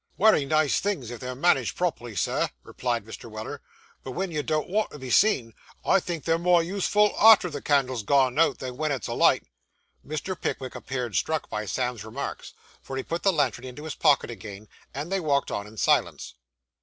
'Wery nice things, if they're managed properly, Sir,' replied Mr. Weller; 'but wen you don't want to be seen, I think they're more useful arter the candle's gone out, than wen it's alight.' Mr. Pickwick appeared struck by Sam's remarks, for he put the lantern into his pocket again, and they walked on in silence.